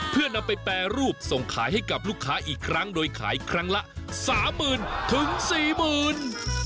เพื่อนำไปแปรรูปส่งขายให้กับลูกค้าอีกครั้งโดยขายครั้งละสามหมื่นถึงสี่หมื่น